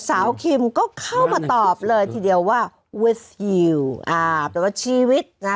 คิมก็เข้ามาตอบเลยทีเดียวว่าเวสฮิลอ่าแปลว่าชีวิตนะ